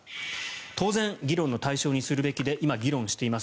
当然、議論の対象にするべきで今、議論しています。